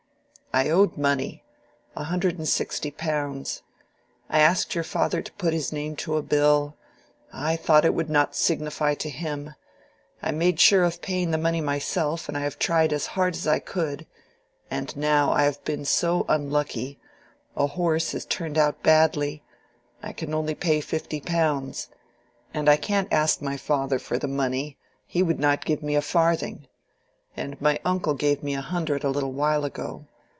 "I owed money—a hundred and sixty pounds. I asked your father to put his name to a bill. I thought it would not signify to him. I made sure of paying the money myself, and I have tried as hard as I could. And now, I have been so unlucky—a horse has turned out badly—I can only pay fifty pounds. And I can't ask my father for the money: he would not give me a farthing. And my uncle gave me a hundred a little while ago.